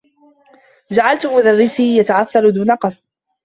جعلت مدرّسي يتعثّر دون قصد.